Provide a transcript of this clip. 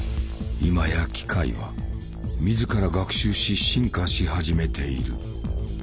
今や機械は自ら学習し進化し始めている。